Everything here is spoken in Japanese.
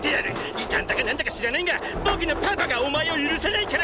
異端だか何だか知らないが僕のパパがお前を許さないからな！！